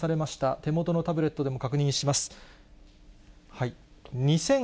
手元のタブレットでも確認します。